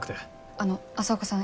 あの朝岡さん